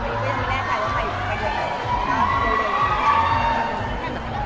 พี่เอ็มเค้าเป็นระบองโรงงานหรือเปลี่ยนไงครับ